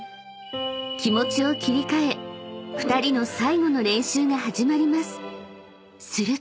［気持ちを切り替え２人の最後の練習が始まります］